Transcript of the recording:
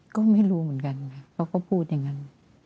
ทำร้ายอ่ะก็ไม่รู้เหมือนกันค่ะเขาก็พูดอย่างนั้น